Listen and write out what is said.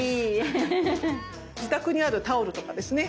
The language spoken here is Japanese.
自宅にあるタオルとかですね